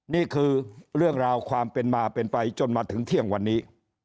นี่คือเรื่องราวความเป็นมาเป็นไปจนมาถึงเที่ยงวันนี้